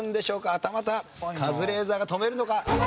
はたまたカズレーザーが止めるのか？